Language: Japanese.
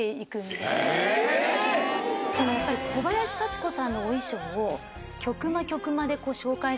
でもやっぱり小林幸子さんの。